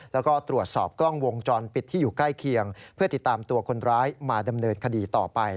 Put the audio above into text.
แล้วก็ตรวจสอบกล้องวงจรปิดที่อยู่ใกล้เคียงเพื่อติดตามตัวคนร้ายมาดำเนินคดีต่อไป